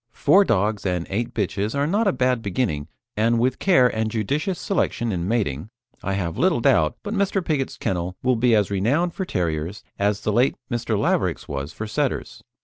Four dogs and eight bitches are not a bad beginning, and with care and judicious selection in mating, I have little doubt but Mr. Pigott's kennel will be as renowned for Terriers as the late Mr. Laverack's was for Setters.